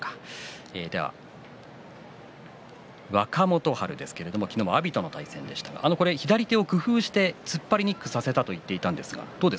若元春ですけれども昨日、阿炎との対戦左手を工夫して突っ張りにくくさせたと言っています。